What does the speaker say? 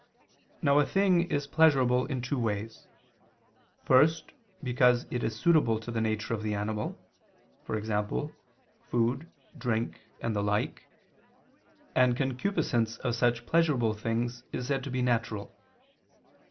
Now a thing is pleasurable in two ways. First, because it is suitable to the nature of the animal; for example, food, drink, and the like: and concupiscence of such pleasurable things is said to be natural.